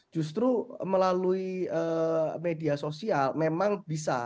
justru melalui media sosial memang bisa